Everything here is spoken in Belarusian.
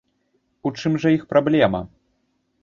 У чым жа іх праблема?